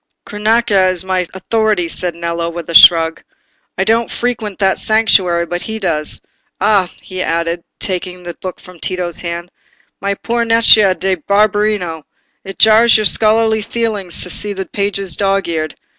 "Cronaca is my authority," said Nello, with a shrug. "I don't frequent that sanctuary, but he does. Ah," he added, taking the book from Tito's hands, "my poor Nencia da Barberino! It jars your scholarly feelings to see the pages dog's eared.